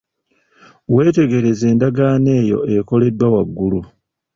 Weetegereze endagaano eyo ekoleddwa waggulu.